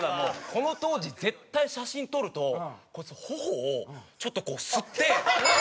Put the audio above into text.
この当時絶対写真撮るとこいつ頬をちょっとこう吸って。